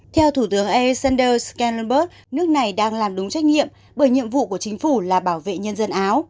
theo thủ tướng alexander schellenberg nước này đang làm đúng trách nhiệm bởi nhiệm vụ của chính phủ là bảo vệ nhân dân áo